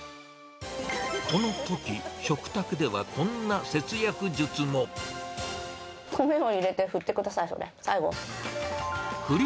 このとき、食卓ではこんな節約術米を入れて振ってください、それ。